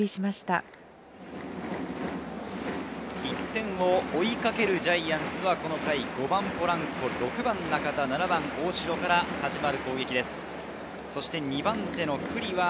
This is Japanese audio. １点を追いかけるジャイアンツはこの回、５番・ポランコ、６番・中田、７番・大城から始まる攻撃です。